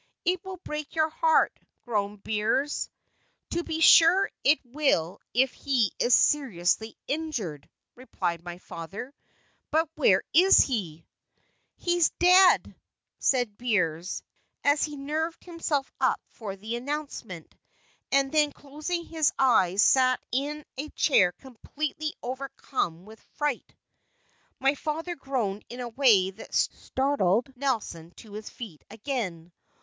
"It will break your heart," groaned Beers. "To be sure it will if he is seriously injured," replied my father; "but where is he?" "He is dead!" said Beers, as he nerved himself up for the announcement, and then, closing his eyes, sank into a chair completely overcome with fright. My father groaned in a way that started Nelson to his feet again.